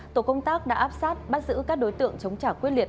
tổ công tác đã áp sát bắt giữ các đối tượng chống trả quyết liệt